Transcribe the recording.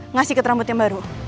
ngasih ikat rambutnya baru